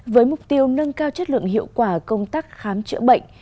với mục tiêu nâng cao chất lượng hiệu quả công tác khám chữa bệnh